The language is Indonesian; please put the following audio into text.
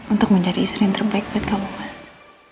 untuk menjadi istri yang terbaik buat kamu mas